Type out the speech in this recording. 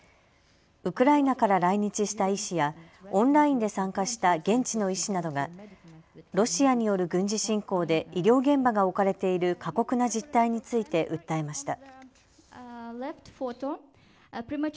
ウクライナから来日した医師やオンラインで参加した現地の医師などがロシアによる軍事侵攻で医療現場が置かれている過酷な実態について訴えました。